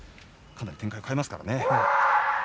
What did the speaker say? かなり展開を変えますからね。